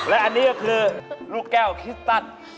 และอันนี้ก็คือลูกแก้วคิสตัน